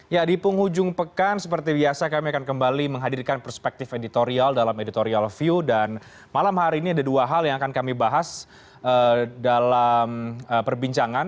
ya di penghujung pekan seperti biasa kami akan kembali menghadirkan perspektif editorial dalam editorial view dan malam hari ini ada dua hal yang akan kami bahas dalam perbincangan